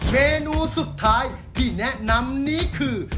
เมนูสุดท้ายที่แนะนำนี้คือ